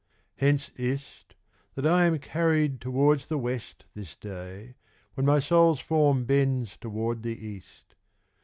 Hence is't, that I am carryed towards the WestThis day, when my Soules forme bends toward the East.